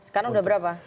sekarang sudah berapa